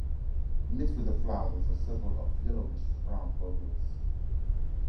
Mixed with the flowers are several of yellowish-brown bulbils.